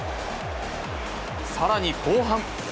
さらに後半。